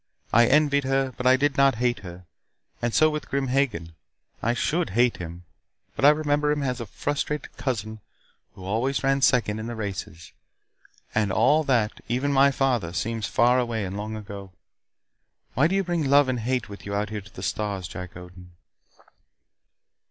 I envied her, but I did not hate her. And so with Grim Hagen. I should hate him, but I remember him as a frustrated cousin who always ran second in the races. And all that even my father seems far away and long ago. Why do you bring love and hate with you out here to the stars, Jack Odin?"